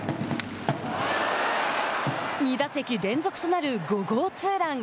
２打席連続となる５号ツーラン。